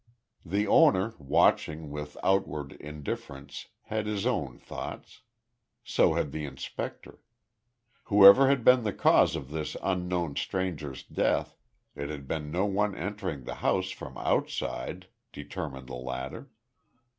The owner, watching with outward indifference, had his own thoughts. So had the inspector. Whoever had been the cause of this unknown stranger's death, it had been no one entering the house from outside, determined the latter.